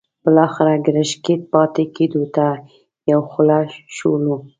بالاخره ګرشک کې پاتې کېدو ته یو خوله شولو.